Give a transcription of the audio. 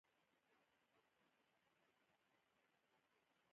حکومت د بقا لپاره هره نظریه قبلوي.